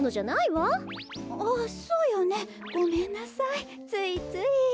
あっそうよねごめんなさいついつい。